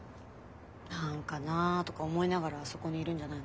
何かなとか思いながらあそこにいるんじゃないのかな。